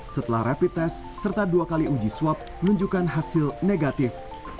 setelah rapid test serta dua kali uji swab menunjukkan hasil negatif